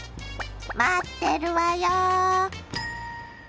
待ってるわよ。